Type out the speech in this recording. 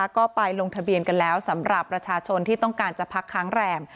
ก็ไปลงทะเบียนกันแล้วสำหรับประชาชนที่ต้องการจะพักค้างแรม